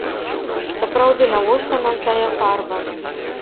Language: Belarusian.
Сапраўды, навошта нам тая фарба?